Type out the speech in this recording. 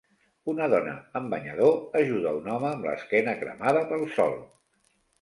Una dona amb banyador ajuda un home amb l'esquena cremada pel sol.